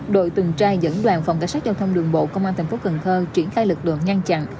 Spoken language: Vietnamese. đội tuần tra dẫn đoàn phòng cảnh sát giao thông đường bộ công an tp cn triển khai lực lượng ngăn chặn